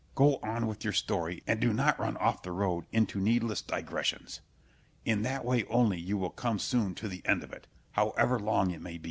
Go on with your story, and do not run off the road into needless digressions; in that way only you will come soon to the end of it, however long it may be.